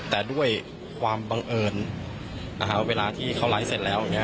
แต่ด้วยความบังเอิญเวลาที่เขาไลฟ์เสร็จแล้วอย่างนี้